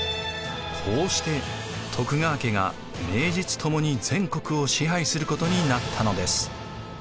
こうして徳川家が名実ともに全国を支配することになったのです。